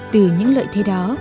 từ những lợi thế đó